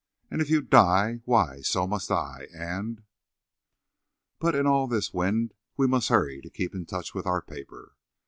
And if you die, why, so must I, and—" But in all this wind we must hurry to keep in touch with our paper.